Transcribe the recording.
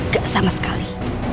gak sama sekali